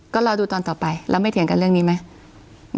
ก็รอดูตอนต่อไปแล้วไม่เถียงกันเรื่องนี้ไหม